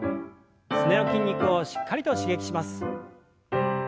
すねの筋肉をしっかりと刺激します。